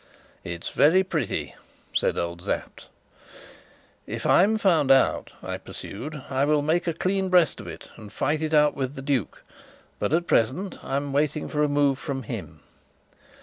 "It's very pretty," said old Sapt. "If I'm found out," I pursued, "I will make a clean breast of it, and fight it out with the duke; but at present I'm waiting for a move from him."